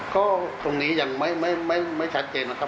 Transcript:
ก็ตรงนี้ยังไม่ชัดเจนนะครับ